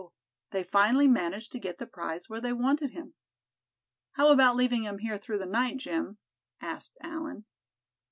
they finally managed to get the prize where they wanted him. "How about leaving him here through the night, Jim?" asked Allan.